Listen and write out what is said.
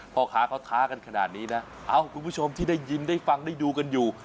พ่อค้าเขาท้ากันขนาดนี้นะเอ้าคุณผู้ชมที่ได้ยินได้ฟังได้ดูกันอยู่